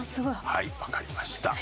はいわかりました。